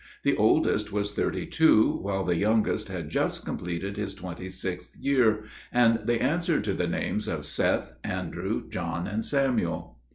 The oldest was thirty two, while the youngest had just completed his twenty sixth year, and they answered to the names of Seth, Andrew, John, and Samuel.